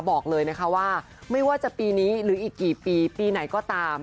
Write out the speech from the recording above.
บอกเลยนะคะว่าไม่ว่าจะปีนี้หรืออีกกี่ปีปีไหนก็ตาม